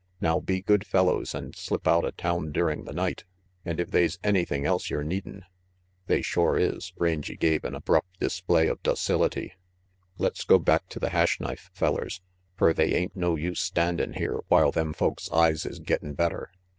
Now be good fellows and slip outa town during the night. And if they's anything else yer needin' " "They shore is," Rangy gave an abrupt display of docility. "Let's go back to the Hash Knife, fellers, fer they ain't no use standin' here while them folks' eyes is gettin' better."